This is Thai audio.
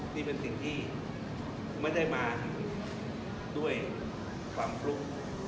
นี่เป็นสิทธิไม่ได้มาด้วยความฟลุก